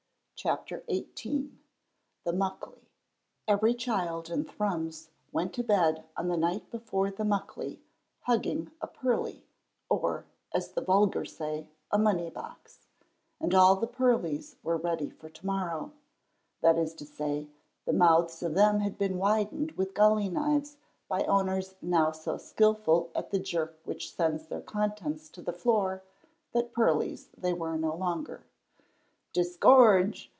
CHAPTER XVIII THE MUCKLEY Every child in Thrums went to bed on the night before the Muckley hugging a pirly, or, as the vulgar say, a money box; and all the pirlies were ready for to morrow, that is to say, the mouths of them had been widened with gully knives by owners now so skilful at the jerk which sends their contents to the floor that pirlies they were no longer. "Disgorge!"